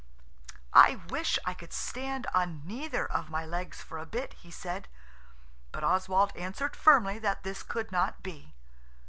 "I wish I could stand on neither of my legs for a bit," he said, but Oswald answered firmly that this could not be.